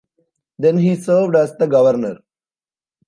Then he served as the Governor.